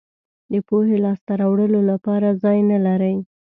د پوهې لاسته راوړلو لپاره ځای نه لرئ.